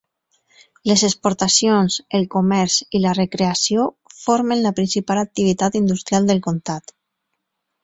Les exportacions, el comerç i la recreació formen la principal activitat industrial del comtat.